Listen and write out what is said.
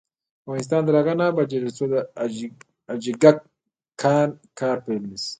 افغانستان تر هغو نه ابادیږي، ترڅو د حاجي ګک کان کار پیل نشي.